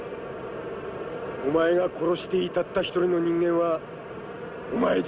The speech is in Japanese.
お前が殺していいたった一人の人間はお前自身だ。